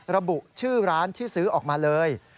ระบุชื่อร้านที่ซื้อออกมาเลย